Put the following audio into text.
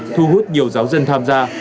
thu hút nhiều giáo dân tham gia